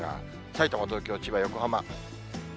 さいたま、東京、千葉、横浜。